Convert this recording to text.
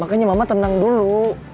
makanya mama tenang dulu